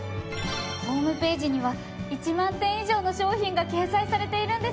ホームページには１万点以上の商品が掲載されているんですね。